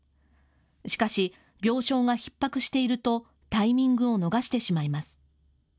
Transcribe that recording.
しかし、病床がひっ迫しているとタイミングを逃してしまいます。